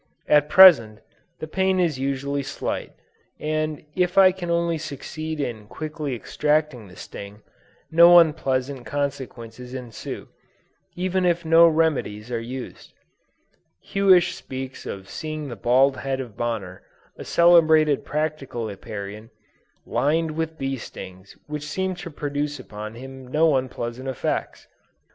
At present, the pain is usually slight, and if I can only succeed in quickly extracting the sting, no unpleasant consequences ensue, even if no remedies are used. Huish speaks of seeing the bald head of Bonner, a celebrated practical Apiarian, lined with bee stings which seemed to produce upon him no unpleasant effects.